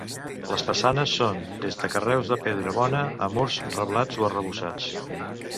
Les façanes són des de carreus de pedra bona a murs reblats o arrebossats.